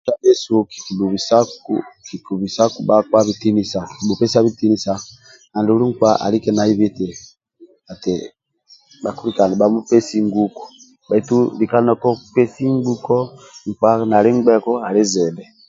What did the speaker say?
Kindia bhesu kikibhubisaku kikibisaku bhkap bitinisa andulu nkpa alike naibi eti eti bhakilikaga nibhabhu pesi nguko bhaitu lika ndiokokupesi nguko ali zidhi